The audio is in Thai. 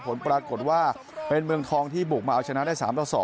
ผลปรากฏว่าเป็นเมืองทองที่บุกมาเอาชนะได้๓ต่อ๒